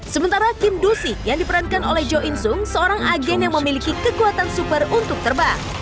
sementara kim do sik yang diperankan oleh jo in sung seorang agen yang memiliki kekuatan super untuk terbang